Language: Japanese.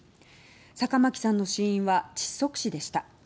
坂巻さんの死因は窒息死でした。